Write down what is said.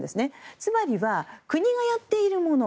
つまりは、国がやっているもの